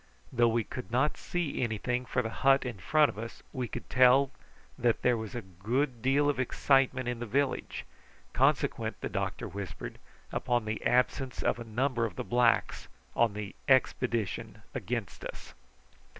Though we could not see anything for the hut in front of us we could tell that there was a good deal of excitement in the village, consequent, the doctor whispered, upon the absence of a number of the blacks on the expedition against us.